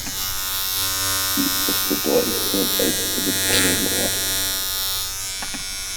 Sie ist das bedeutendste und älteste Gebäude im Ort.